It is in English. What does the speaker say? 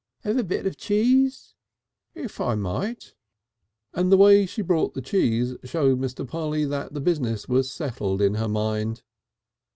"Have a bit of cheese?" "If I might." And the way she brought the cheese showed Mr. Polly that the business was settled in her mind.